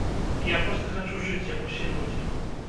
Я проста хачу жыць, як усе людзі.